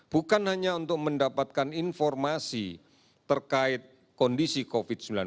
bukan hanya untuk mendapatkan informasi terkait kondisi covid sembilan belas